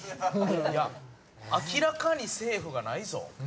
明らかにセーフがないぞ。